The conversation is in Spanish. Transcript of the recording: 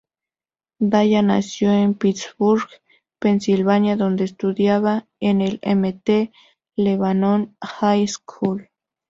Daya nació en Pittsburgh, Pensilvania, donde estudiaba en el Mt. Lebanon High School.